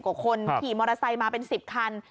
หลีมอเตอร์ไซส์มาเป็น๑๐คัน